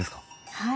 はい。